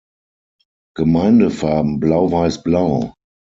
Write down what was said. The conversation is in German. Gemeindefarben: Blau-Weiß-Blau.